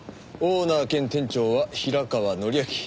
オーナー兼店長は平川典明。